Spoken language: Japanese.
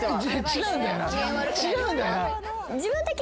違うんだよな。